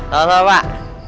terima kasih pak